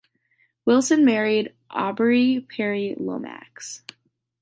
Willson married Aubrey Perry Lomax.